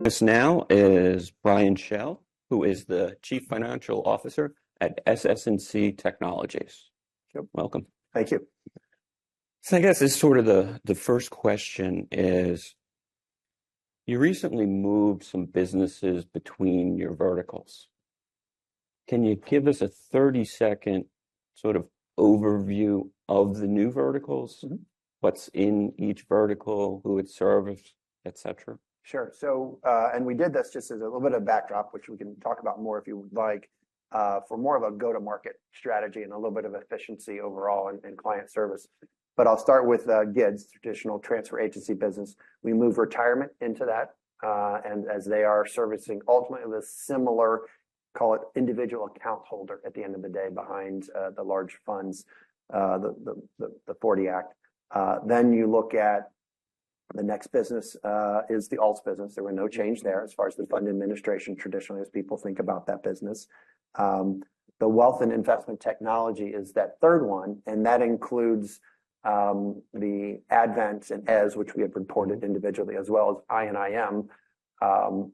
With us now is Brian Schell, who is the Chief Financial Officer at SS&C Technologies. Welcome. Thank you. So I guess this sort of the first question is, you recently moved some businesses between your verticals. Can you give us a 30-second sort of overview of the new verticals, what's in each vertical, who it serves, etc.? Sure. So, and we did this just as a little bit of backdrop, which we can talk about more if you would like, for more of a go-to-market strategy and a little bit of efficiency overall and client service. But I'll start with GIDS, traditional transfer agency business. We moved retirement into that. And as they are servicing ultimately the similar, call it individual account holder at the end of the day behind the large funds, the 40 Act. Then you look at the next business is the alts business. There were no change there as far as the fund administration traditionally as people think about that business. The Wealth and Investment Technology is that third one. And that includes the Advent and Eze, which we have reported individually, as well as Intralinks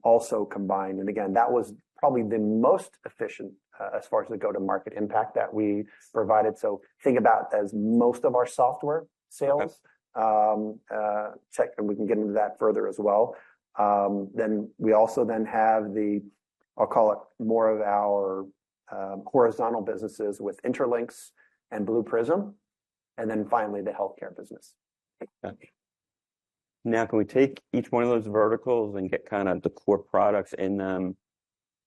also combined. And again, that was probably the most efficient as far as the go-to-market impact that we provided. So think about as most of our software sales. Check, and we can get into that further as well. Then we also then have the, I'll call it more of our horizontal businesses with Intralinks and Blue Prism. And then finally the healthcare business. Now can we take each one of those verticals and get kind of the core products in them,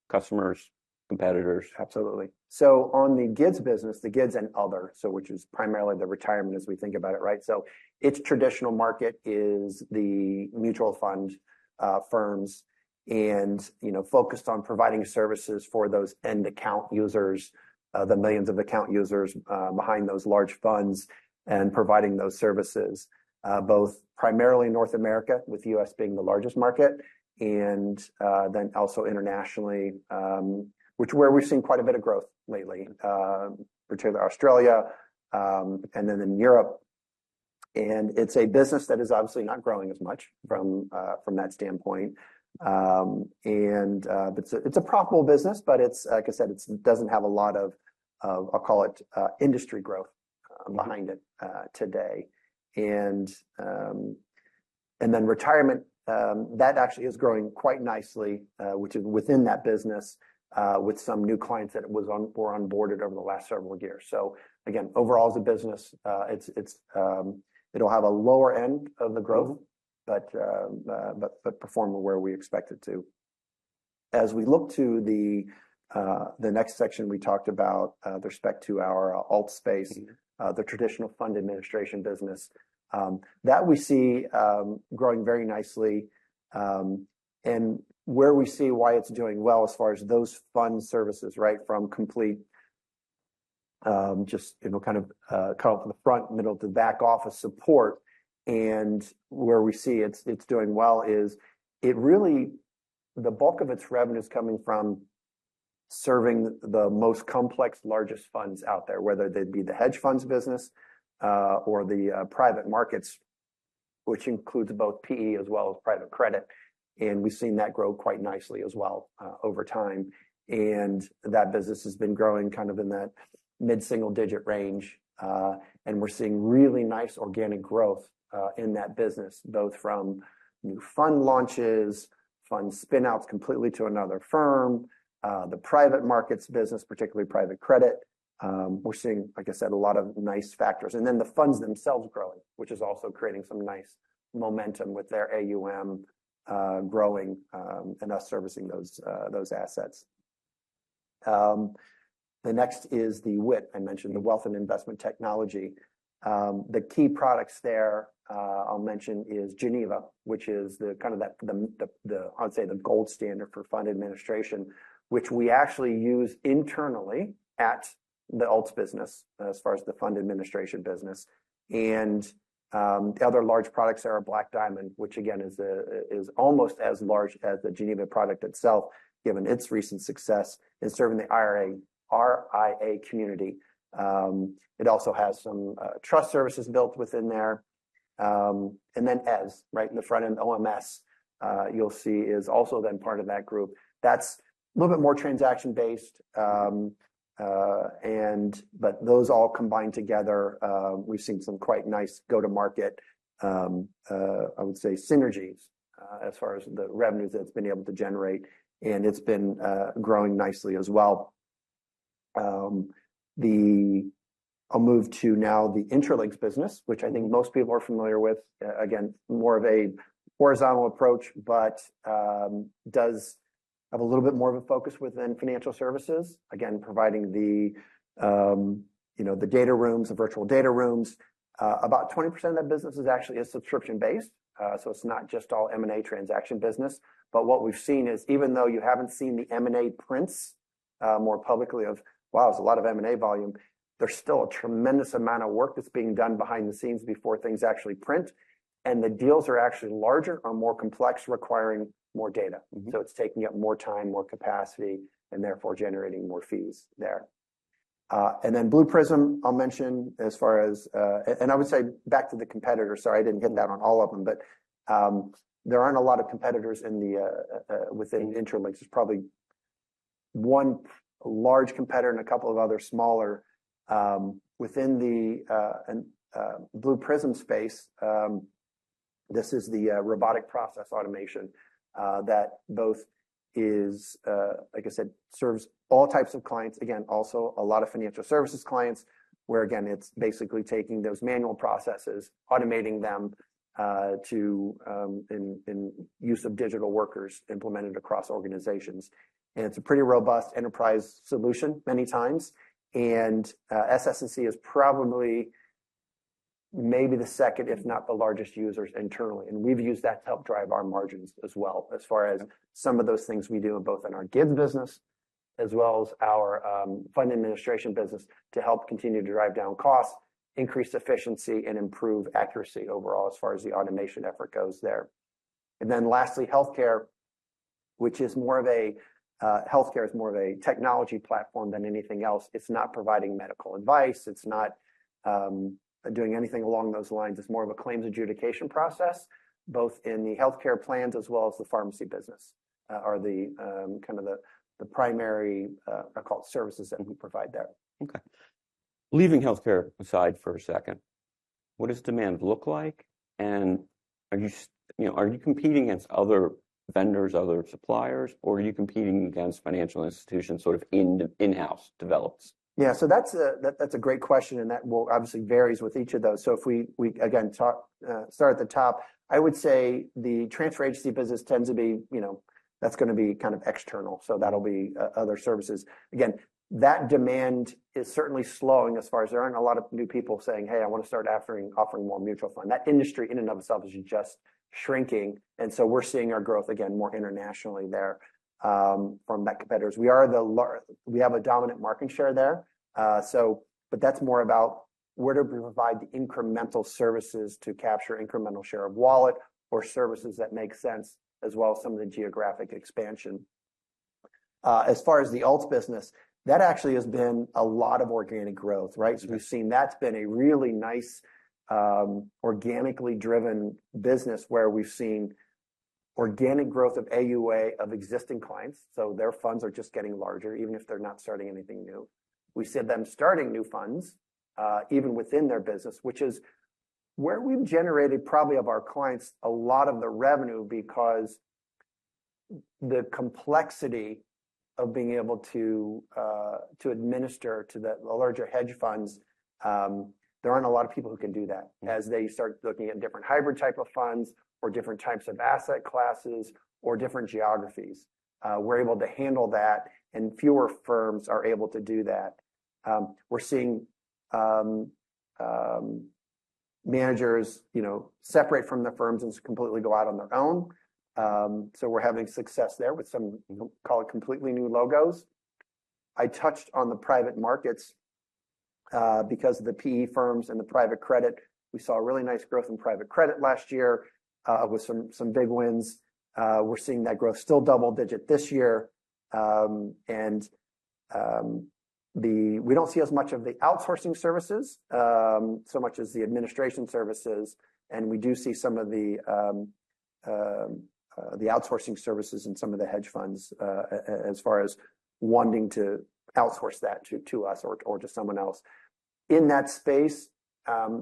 customers, competitors? Absolutely. So on the GIDS business, the GIDS and other, so which is primarily the retirement as we think about it, right? So its traditional market is the mutual fund firms and focused on providing services for those end account users, the millions of account users behind those large funds and providing those services, both primarily in North America with the U.S. being the largest market and then also internationally, which where we've seen quite a bit of growth lately, particularly Australia and then in Europe. It's a business that is obviously not growing as much from that standpoint. It's a profitable business, but it's, like I said, it doesn't have a lot of, I'll call it industry growth behind it today. Then retirement, that actually is growing quite nicely, which is within that business with some new clients that were onboarded over the last several years. So again, overall as a business, it'll have a lower end of the growth, but perform where we expect it to. As we look to the next section, we talked about with respect to our alts space, the traditional fund administration business, that we see growing very nicely. And where we see why it's doing well as far as those fund services, right, from the complete front, middle to back office support. And where we see it's doing well is it really, the bulk of its revenue is coming from serving the most complex, largest funds out there, whether they'd be the hedge funds business or the private markets, which includes both PE as well as private credit. And we've seen that grow quite nicely as well over time. And that business has been growing kind of in that mid-single digit range. We're seeing really nice organic growth in that business, both from new fund launches, fund spinouts completely to another firm, the private markets business, particularly private credit. We're seeing, like I said, a lot of nice factors. And then the funds themselves growing, which is also creating some nice momentum with their AUM growing and us servicing those assets. The next is the WIT, I mentioned the Wealth and Investment Technology. The key products there I'll mention is Geneva, which is the kind of the, I'll say the gold standard for fund administration, which we actually use internally at the alts business as far as the fund administration business. And the other large products are a Black Diamond, which again is almost as large as the Geneva product itself, given its recent success in serving the RIA community. It also has some trust services built within there. And then Eze, right in the front end, OMS, you'll see is also then part of that group. That's a little bit more transaction-based. And but those all combined together, we've seen some quite nice go-to-market, I would say synergies as far as the revenues that it's been able to generate. And it's been growing nicely as well. I'll move to now the Intralinks business, which I think most people are familiar with. Again, more of a horizontal approach, but does have a little bit more of a focus within financial services. Again, providing the data rooms, the virtual data rooms. About 20% of that business is actually a subscription-based. So it's not just all M&A transaction business. But what we've seen is even though you haven't seen the M&A prints more publicly of, wow, there's a lot of M&A volume, there's still a tremendous amount of work that's being done behind the scenes before things actually print. And the deals are actually larger or more complex, requiring more data. So it's taking up more time, more capacity, and therefore generating more fees there. And then Blue Prism, I'll mention as far as, and I would say back to the competitor, sorry, I didn't hit that on all of them, but there aren't a lot of competitors within Intralinks. There's probably one large competitor and a couple of other smaller within the Blue Prism space. This is the robotic process automation that both is, like I said, serves all types of clients. Again, also a lot of financial services clients, where again, it's basically taking those manual processes, automating them to use of digital workers implemented across organizations. And it's a pretty robust enterprise solution many times. And SS&C is probably maybe the second, if not the largest users internally. And we've used that to help drive our margins as well as far as some of those things we do both in our GIDS business as well as our fund administration business to help continue to drive down costs, increase efficiency, and improve accuracy overall as far as the automation effort goes there. And then lastly, healthcare, which is more of a healthcare is more of a technology platform than anything else. It's not providing medical advice. It's not doing anything along those lines. It's more of a claims adjudication process. Both in the healthcare plans as well as the pharmacy business are the kind of the primary, I call it, services that we provide there. Okay. Leaving healthcare aside for a second, what does demand look like? And are you competing against other vendors, other suppliers, or are you competing against financial institutions sort of in-house developed? Yeah, so that's a great question. And that will obviously vary with each of those. So if we again start at the top, I would say the transfer agency business tends to be, that's going to be kind of external. So that'll be other services. Again, that demand is certainly slowing as far as there aren't a lot of new people saying, "Hey, I want to start offering more mutual fund." That industry in and of itself is just shrinking. And so we're seeing our growth again, more internationally there from that competitors. We have a dominant market share there. But that's more about where do we provide the incremental services to capture incremental share of wallet or services that make sense as well as some of the geographic expansion. As far as the alts business, that actually has been a lot of organic growth, right? So we've seen that's been a really nice organically driven business where we've seen organic growth of AUA of existing clients. So their funds are just getting larger, even if they're not starting anything new. We see them starting new funds even within their business, which is where we've generated probably of our clients a lot of the revenue because the complexity of being able to administer to the larger hedge funds, there aren't a lot of people who can do that as they start looking at different hybrid type of funds or different types of asset classes or different geographies. We're able to handle that and fewer firms are able to do that. We're seeing managers separate from the firms and completely go out on their own. So we're having success there with some, call it completely new logos. I touched on the private markets because of the PE firms and the private credit. We saw a really nice growth in private credit last year with some big wins. We're seeing that growth still double-digit this year. We don't see as much of the outsourcing services so much as the administration services. We do see some of the outsourcing services and some of the hedge funds as far as wanting to outsource that to us or to someone else. In that space,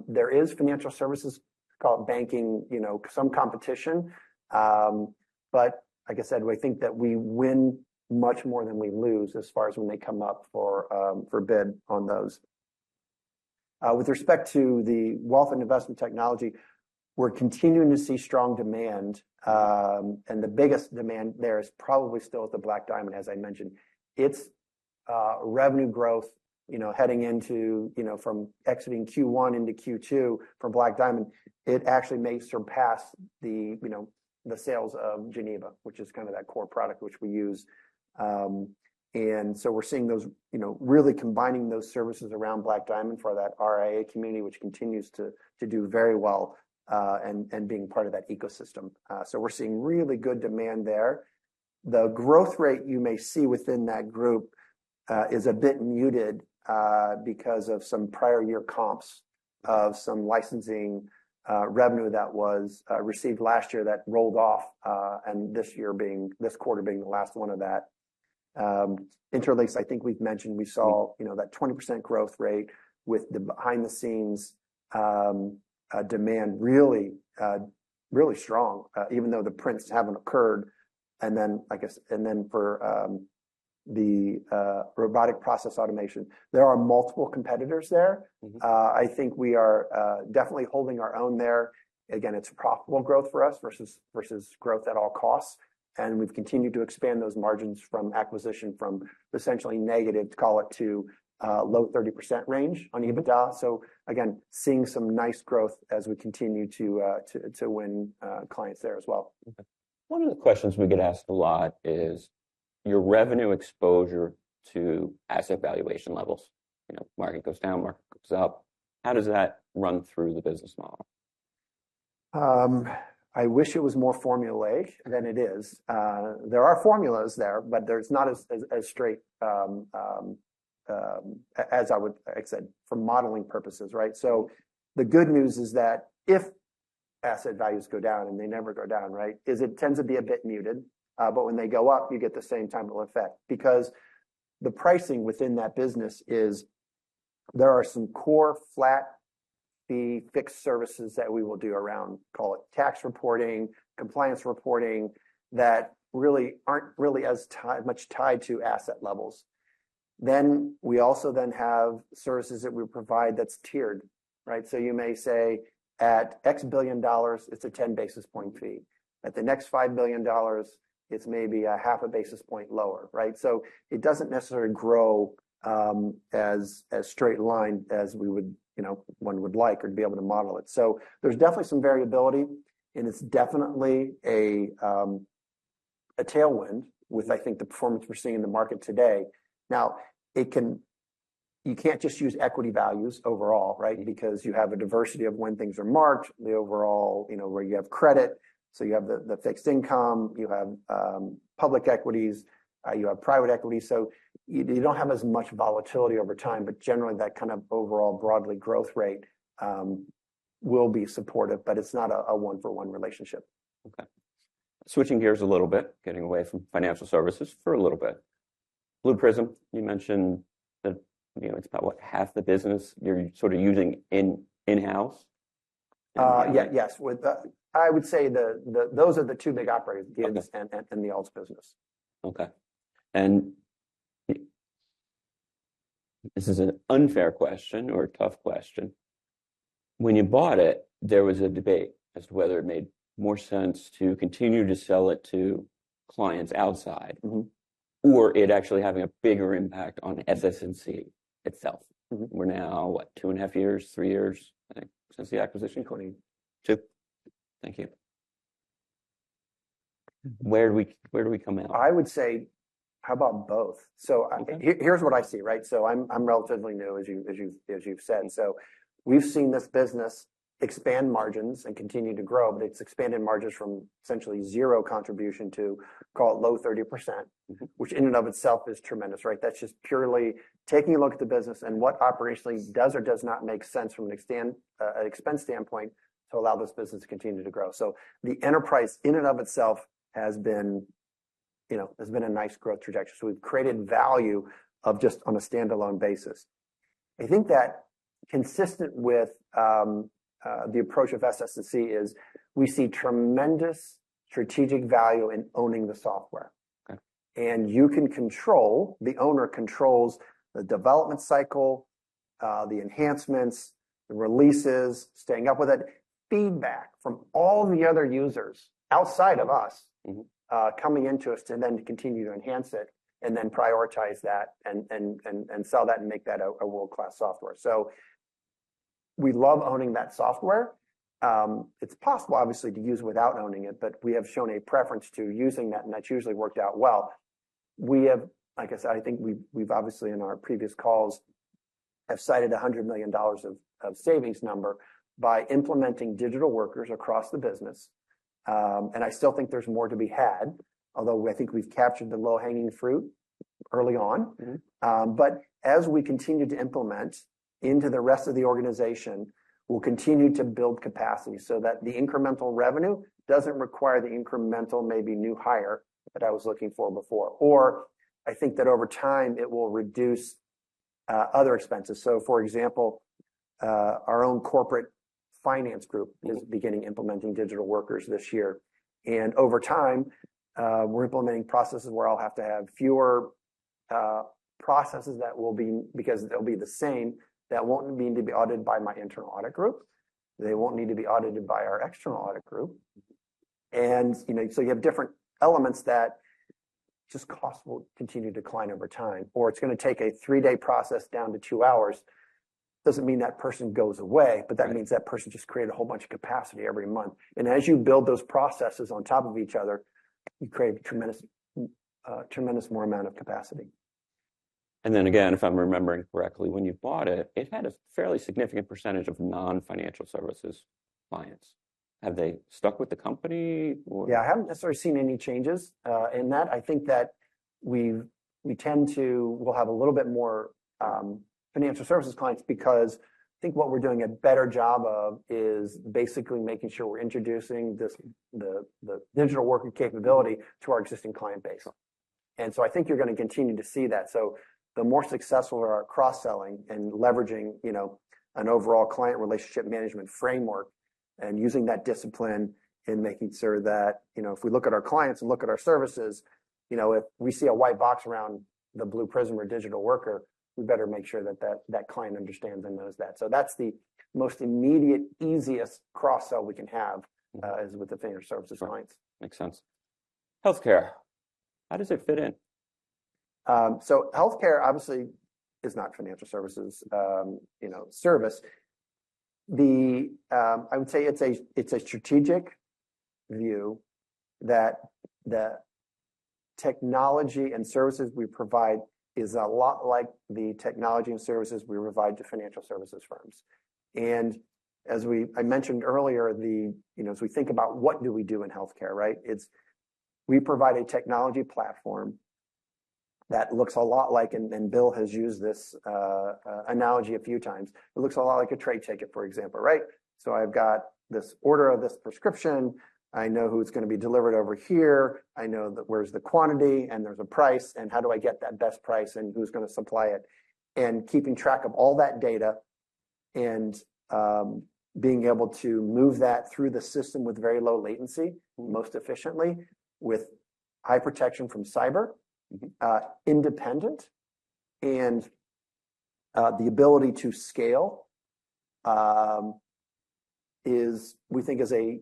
there is financial services, call it banking, some competition. Like I said, we think that we win much more than we lose as far as when they come up for bid on those. With respect to the Wealth and Investment Technology, we're continuing to see strong demand. The biggest demand there is probably still at the Black Diamond, as I mentioned. Its revenue growth, heading into from exiting Q1 into Q2 for Black Diamond, it actually may surpass the sales of Geneva, which is kind of that core product which we use. So we're seeing those really combining those services around Black Diamond for that RIA community, which continues to do very well and being part of that ecosystem. So we're seeing really good demand there. The growth rate you may see within that group is a bit muted because of some prior year comps of some licensing revenue that was received last year that rolled off and this year being, this quarter being the last one of that. Intralinks, I think we've mentioned we saw that 20% growth rate with the behind the scenes demand really strong, even though the prints haven't occurred. And then for the robotic process automation, there are multiple competitors there. I think we are definitely holding our own there. Again, it's profitable growth for us versus growth at all costs. We've continued to expand those margins from acquisition from essentially negative, call it to low 30% range on EBITDA. Again, seeing some nice growth as we continue to win clients there as well. One of the questions we get asked a lot is your revenue exposure to asset valuation levels. Market goes down, market goes up. How does that run through the business model? I wish it was more formulaic than it is. There are formulas there, but there's not as straight as I would, like I said, for modeling purposes, right? So the good news is that if asset values go down and they never go down, right, it tends to be a bit muted. But when they go up, you get the same time of effect because the pricing within that business is there are some core flat fee fixed services that we will do around, call it tax reporting, compliance reporting that really aren't really as much tied to asset levels. Then we also then have services that we provide that's tiered, right? So you may say at $X billion, it's a 10 basis point fee. At the next $5 billion, it's maybe a half a basis point lower, right? So it doesn't necessarily grow as straight line as we would, one would like or be able to model it. So there's definitely some variability and it's definitely a tailwind with, I think, the performance we're seeing in the market today. Now, you can't just use equity values overall, right? Because you have a diversity of when things are marked, the overall where you have credit. So you have the fixed income, you have public equities, you have private equity. So you don't have as much volatility over time, but generally that kind of overall broadly growth rate will be supportive, but it's not a one-for-one relationship. Okay. Switching gears a little bit, getting away from financial services for a little bit. Blue Prism, you mentioned that it's about what, half the business you're sort of using in-house? Yeah, yes. I would say those are the two big operators, GIDS and the alts business. Okay. And this is an unfair question or a tough question. When you bought it, there was a debate as to whether it made more sense to continue to sell it to clients outside or it actually having a bigger impact on SS&C itself. We're now what, 2.5 years, three years, I think, since the acquisition? Two. Two. Thank you. Where do we come out? I would say, how about both? So here's what I see, right? So I'm relatively new, as you've said. So we've seen this business expand margins and continue to grow, but it's expanded margins from essentially zero contribution to, call it low 30%, which in and of itself is tremendous, right? That's just purely taking a look at the business and what operationally does or does not make sense from an expense standpoint to allow this business to continue to grow. So the enterprise in and of itself has been a nice growth trajectory. So we've created value just on a standalone basis. I think that consistent with the approach of SS&C is we see tremendous strategic value in owning the software. You can control. The owner controls the development cycle, the enhancements, the releases, staying up with it, feedback from all the other users outside of us coming into us to then continue to enhance it and then prioritize that and sell that and make that a world-class software. So we love owning that software. It's possible, obviously, to use without owning it, but we have shown a preference to using that, and that's usually worked out well. We have, like I said, I think we've obviously in our previous calls have cited $100 million of savings number by implementing digital workers across the business. I still think there's more to be had, although I think we've captured the low-hanging fruit early on. But as we continue to implement into the rest of the organization, we'll continue to build capacity so that the incremental revenue doesn't require the incremental maybe new hire that I was looking for before. Or I think that over time it will reduce other expenses. So for example, our own corporate finance group is beginning implementing digital workers this year. And over time, we're implementing processes where I'll have to have fewer processes that will be because they'll be the same. That won't need to be audited by my internal audit group. They won't need to be audited by our external audit group. And so you have different elements that just costs will continue to decline over time. Or it's going to take a three-day process down to two hours. Doesn't mean that person goes away, but that means that person just created a whole bunch of capacity every month. As you build those processes on top of each other, you create a tremendous more amount of capacity. And then again, if I'm remembering correctly, when you bought it, it had a fairly significant percentage of non-financial services clients. Have they stuck with the company? Yeah, I haven't necessarily seen any changes in that. I think that we tend to, we'll have a little bit more financial services clients because I think what we're doing a better job of is basically making sure we're introducing the digital worker capability to our existing client base. And so I think you're going to continue to see that. So the more successful our cross-selling and leveraging an overall client relationship management framework and using that discipline and making sure that if we look at our clients and look at our services, if we see a white box around the Blue Prism or digital worker, we better make sure that that client understands and knows that. So that's the most immediate, easiest cross-sell we can have is with the financial services clients. Makes sense. Healthcare, how does it fit in? So healthcare obviously is not financial services service. I would say it's a strategic view that the technology and services we provide is a lot like the technology and services we provide to financial services firms. And as I mentioned earlier, as we think about what do we do in healthcare, right? We provide a technology platform that looks a lot like, and Bill has used this analogy a few times, it looks a lot like a trade ticket, for example, right? So I've got this order of this prescription. I know who it's going to be delivered over here. I know where's the quantity and there's a price and how do I get that best price and who's going to supply it. Keeping track of all that data and being able to move that through the system with very low latency most efficiently with high protection from cyber, independent, and the ability to scale is, we think, is a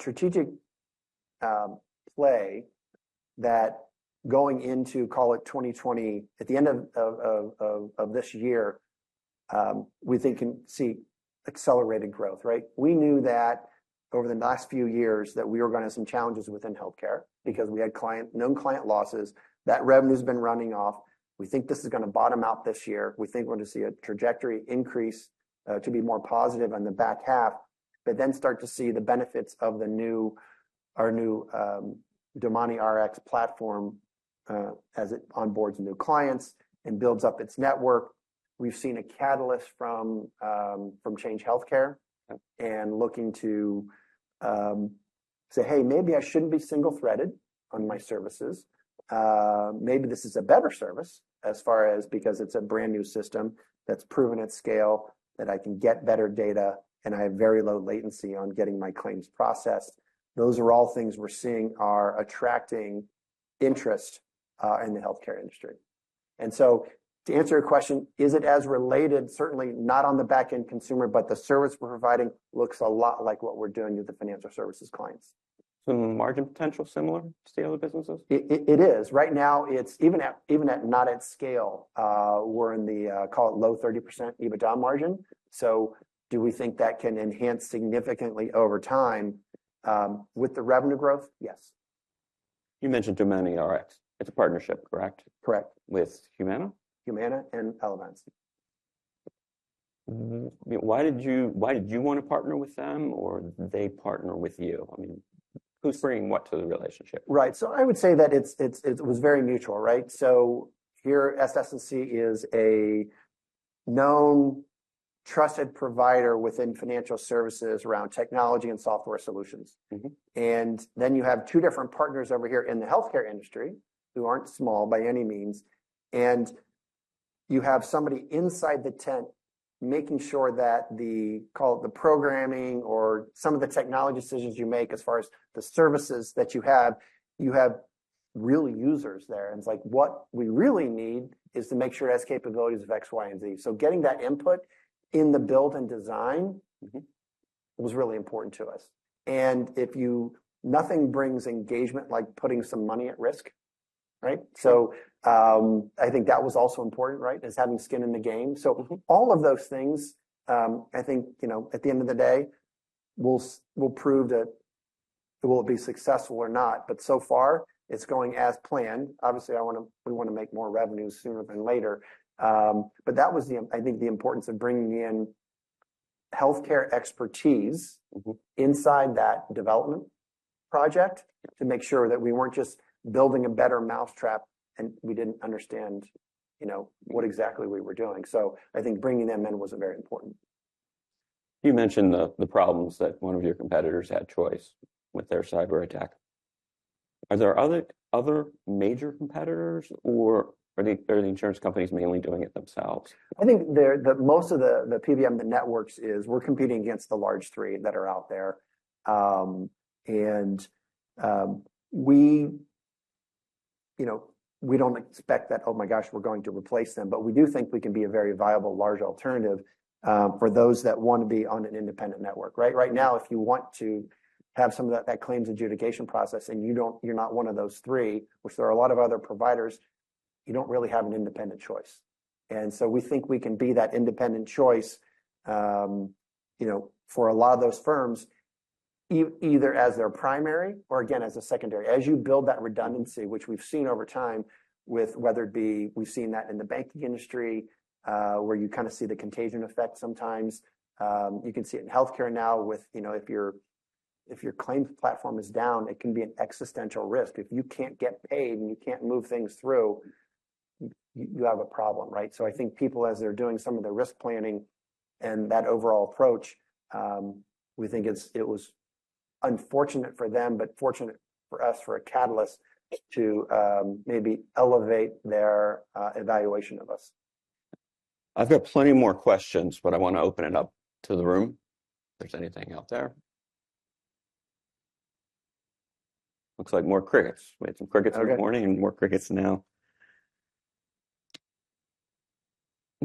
strategic play that going into, call it 2020, at the end of this year, we think can see accelerated growth, right? We knew that over the last few years that we were going to have some challenges within healthcare because we had known client losses. That revenue has been running off. We think this is going to bottom out this year. We think we're going to see a trajectory increase to be more positive on the back half, but then start to see the benefits of our new DomaniRx platform as it onboards new clients and builds up its network. We've seen a catalyst from Change Healthcare and looking to say, "Hey, maybe I shouldn't be single-threaded on my services. Maybe this is a better service as far as because it's a brand new system that's proven at scale that I can get better data and I have very low latency on getting my claims processed." Those are all things we're seeing are attracting interest in the healthcare industry. And so to answer your question, is it as related? Certainly not on the back-end consumer, but the service we're providing looks a lot like what we're doing with the financial services clients. So margin potential similar to the other businesses? It is. Right now, even at, not at scale, we're in the, call it low 30% EBITDA margin. So do we think that can enhance significantly over time with the revenue growth? Yes. You mentioned DomaniRx. It's a partnership, correct? Correct. With Humana? Humana and Elevance. Why did you want to partner with them or they partner with you? I mean, who's bringing what to the relationship? Right. So I would say that it was very mutual, right? So here, SS&C is a known trusted provider within financial services around technology and software solutions. And then you have two different partners over here in the healthcare industry who aren't small by any means. And you have somebody inside the tent making sure that the, call it the programming or some of the technology decisions you make as far as the services that you have, you have real users there. And it's like what we really need is to make sure it has capabilities of X, Y, and Z. So getting that input in the build and design was really important to us. And nothing brings engagement like putting some money at risk, right? So I think that was also important, right? Is having skin in the game. So all of those things, I think at the end of the day, we'll prove that it will be successful or not, but so far it's going as planned. Obviously, we want to make more revenue sooner than later. But that was, I think, the importance of bringing in healthcare expertise inside that development project to make sure that we weren't just building a better mousetrap and we didn't understand what exactly we were doing. So I think bringing them in was very important. You mentioned the problems that one of your competitors had, Change, with their cyber attack. Are there other major competitors or are the insurance companies mainly doing it themselves? I think most of the PBM, the networks is we're competing against the large three that are out there. And we don't expect that, oh my gosh, we're going to replace them, but we do think we can be a very viable large alternative for those that want to be on an independent network, right? Right now, if you want to have some of that claims adjudication process and you're not one of those three, which there are a lot of other providers, you don't really have an independent choice. And so we think we can be that independent choice for a lot of those firms, either as their primary or again, as a secondary. As you build that redundancy, which we've seen over time with whether it be, we've seen that in the banking industry where you kind of see the contagion effect sometimes. You can see it in healthcare now with if your claims platform is down, it can be an existential risk. If you can't get paid and you can't move things through, you have a problem, right? So I think people, as they're doing some of the risk planning and that overall approach, we think it was unfortunate for them, but fortunate for us for a catalyst to maybe elevate their evaluation of us. I've got plenty more questions, but I want to open it up to the room. If there's anything out there. Looks like more crickets. We had some crickets this morning and more crickets now.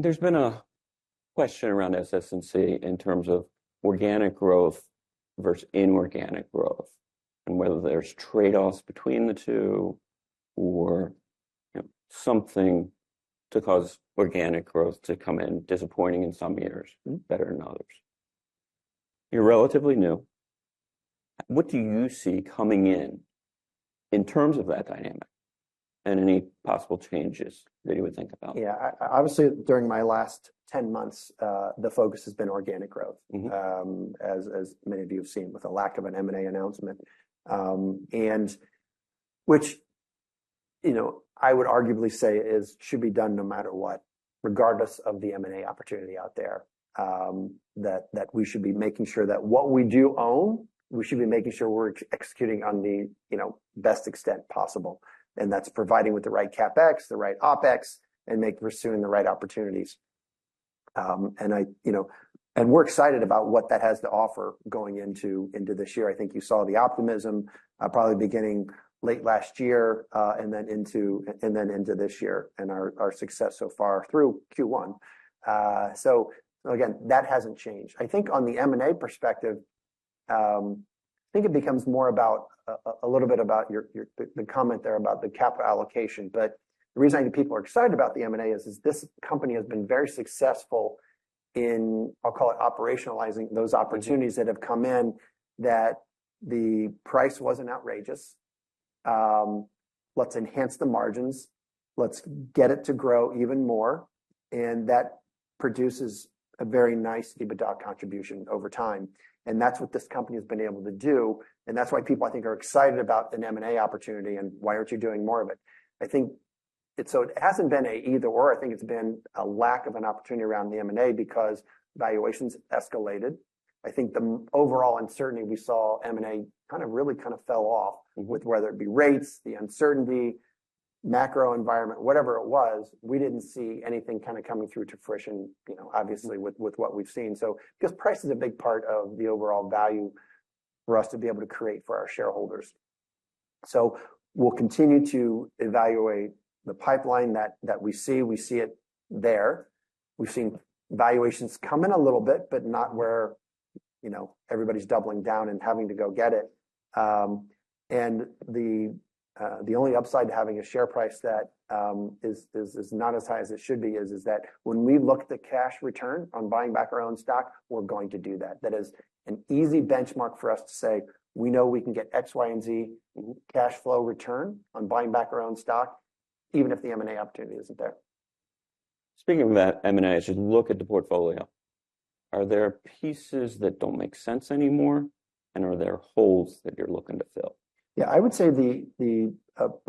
There's been a question around SS&C in terms of organic growth versus inorganic growth and whether there's trade-offs between the two or something to cause organic growth to come in disappointing in some years, better in others. You're relatively new. What do you see coming in in terms of that dynamic and any possible changes that you would think about? Yeah, obviously during my last 10 months, the focus has been organic growth, as many of you have seen with a lack of an M&A announcement, which I would arguably say should be done no matter what, regardless of the M&A opportunity out there, that we should be making sure that what we do own, we should be making sure we're executing on the best extent possible. And that's providing with the right CapEx, the right OpEx, and pursuing the right opportunities. And we're excited about what that has to offer going into this year. I think you saw the optimism probably beginning late last year and then into this year and our success so far through Q1. So again, that hasn't changed. I think on the M&A perspective, I think it becomes more about a little bit about the comment there about the capital allocation. But the reason I think people are excited about the M&A is this company has been very successful in, I'll call it, operationalizing those opportunities that have come in that the price wasn't outrageous. Let's enhance the margins. Let's get it to grow even more. And that produces a very nice EBITDA contribution over time. And that's what this company has been able to do. And that's why people, I think, are excited about an M&A opportunity and why aren't you doing more of it? I think so it hasn't been an either/or. I think it's been a lack of an opportunity around the M&A because valuations escalated. I think the overall uncertainty we saw M&A kind of really kind of fell off with whether it be rates, the uncertainty, macro environment, whatever it was, we didn't see anything kind of coming through to fruition, obviously, with what we've seen. Because price is a big part of the overall value for us to be able to create for our shareholders. We'll continue to evaluate the pipeline that we see. We see it there. We've seen valuations come in a little bit, but not where everybody's doubling down and having to go get it. The only upside to having a share price that is not as high as it should be is that when we look at the cash return on buying back our own stock, we're going to do that. That is an easy benchmark for us to say, "We know we can get X, Y, and Z cash flow return on buying back our own stock," even if the M&A opportunity isn't there. Speaking of that M&A, as you look at the portfolio, are there pieces that don't make sense anymore? And are there holes that you're looking to fill? Yeah, I would say the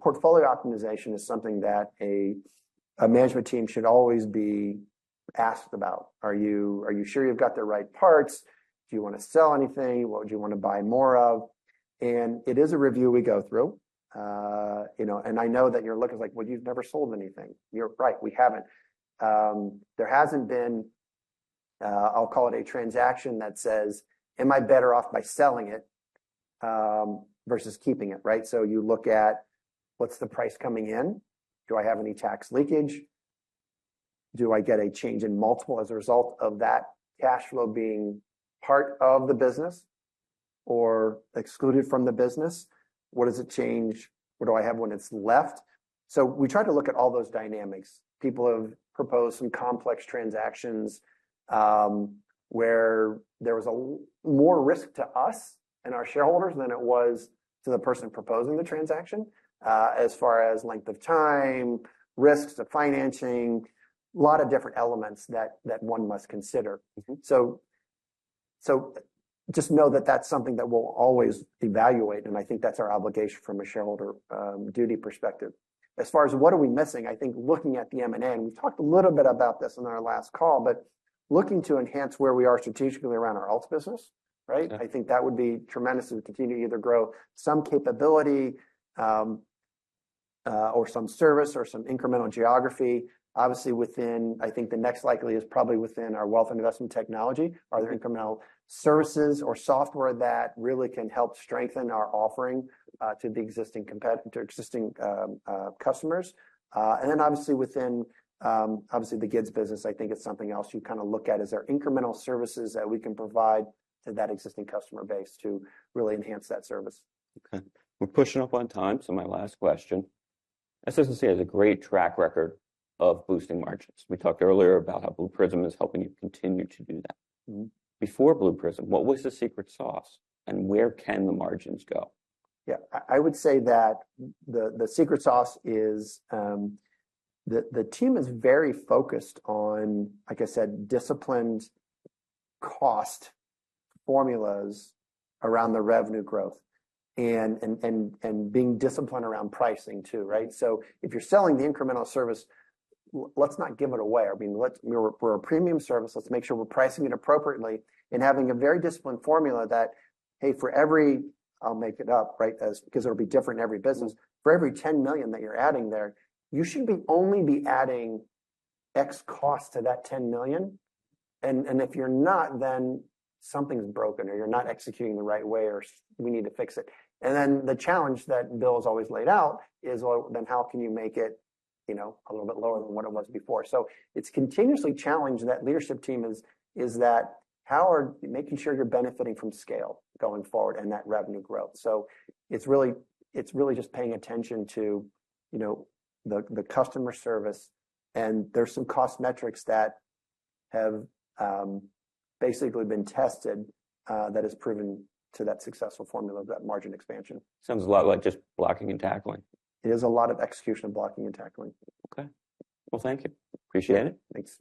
portfolio optimization is something that a management team should always be asked about. Are you sure you've got the right parts? Do you want to sell anything? What would you want to buy more of? It is a review we go through. I know that you're looking like, "Well, you've never sold anything." You're right. We haven't. There hasn't been, I'll call it a transaction that says, "Am I better off by selling it versus keeping it?" Right? You look at what's the price coming in? Do I have any tax leakage? Do I get a change in multiple as a result of that cash flow being part of the business or excluded from the business? What does it change? What do I have when it's left? We try to look at all those dynamics. People have proposed some complex transactions where there was more risk to us and our shareholders than it was to the person proposing the transaction as far as length of time, risks of financing, a lot of different elements that one must consider. So just know that that's something that we'll always evaluate. And I think that's our obligation from a shareholder duty perspective. As far as what are we missing, I think looking at the M&A, and we talked a little bit about this on our last call, but looking to enhance where we are strategically around our health business, right? I think that would be tremendous to continue to either grow some capability or some service or some incremental geography. Obviously, within, I think the next likely is probably within our wealth investment technology. Are there incremental services or software that really can help strengthen our offering to the existing competitor, existing customers? Then obviously within, obviously the GIDS business, I think it's something else you kind of look at. Is there incremental services that we can provide to that existing customer base to really enhance that service? Okay. We're pushing up on time, so my last question. SS&C has a great track record of boosting margins. We talked earlier about how Blue Prism is helping you continue to do that. Before Blue Prism, what was the secret sauce and where can the margins go? Yeah, I would say that the secret sauce is the team is very focused on, like I said, disciplined cost formulas around the revenue growth and being disciplined around pricing too, right? So if you're selling the incremental service, let's not give it away. I mean, we're a premium service. Let's make sure we're pricing it appropriately and having a very disciplined formula that, hey, for every, I'll make it up, right? Because it'll be different in every business. For every $10 million that you're adding there, you should only be adding X cost to that $10 million. And if you're not, then something's broken or you're not executing the right way or we need to fix it. And then the challenge that Bill has always laid out is, well, then how can you make it a little bit lower than what it was before? So it's continuously challenging the leadership team on how they are making sure you're benefiting from scale going forward and that revenue growth? So it's really just paying attention to the customer service. And there's some cost metrics that have basically been tested that have proven the successful formula of that margin expansion. Sounds a lot like just blocking and tackling. It is a lot of execution of blocking and tackling. Okay. Well, thank you. Appreciate it. Thanks.